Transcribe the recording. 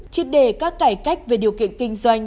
chiết đề các cải cách về điều kiện kinh doanh